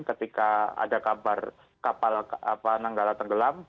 ketika ada kabar kapal nanggala tenggelam